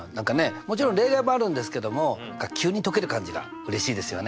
もちろん例外もあるんですけども急に解ける感じがうれしいですよね。